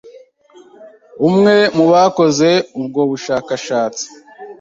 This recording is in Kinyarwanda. umwe mu bakoze ubwo bushakashatsi,